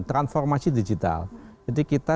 transformasi digital jadi kita